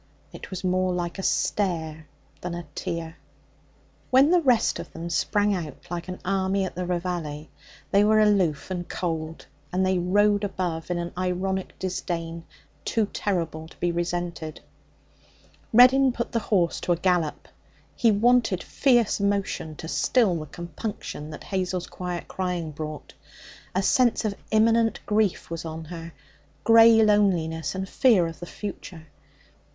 It was more like a stare than a tear. When the rest of them sprang out like an army at the reveille, they were aloof and cold, and they rode above in an ironic disdain too terrible to be resented. Reddin put the horse to a gallop. He wanted fierce motion to still the compunction that Hazel's quiet crying brought. A sense of immanent grief was on her, grey loneliness and fear of the future.